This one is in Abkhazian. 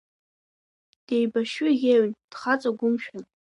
Деибашьҩы ӷьеҩын, дхаҵа гәымшәан.